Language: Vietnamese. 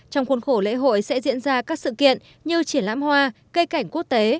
trong khuôn khổ lễ hội sẽ diễn ra các sự kiện như triển lãm hoa cây cảnh quốc tế